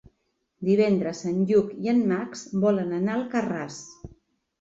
Divendres en Lluc i en Max volen anar a Alcarràs.